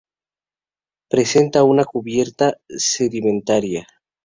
Presenta una cubierta sedimentaria.